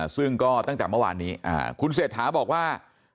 ซึ่งก็ตั้งแต่เมื่อวานนี้คุณเศรษฐาบอกว่า